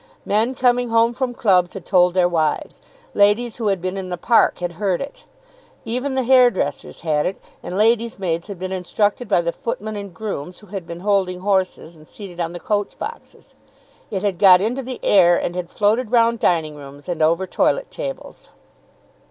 Men coming home from clubs had told their wives. Ladies who had been in the park had heard it. Even the hairdressers had it, and ladies' maids had been instructed by the footmen and grooms who had been holding horses and seated on the coach boxes. It had got into the air, and had floated round dining rooms and over toilet tables.